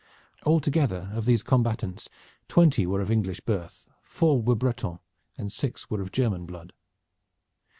Altogether of these combatants twenty were of English birth, four were Breton and six were of German blood.